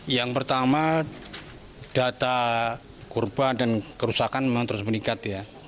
yang pertama data kurban dan kerusakan memang terus meningkat ya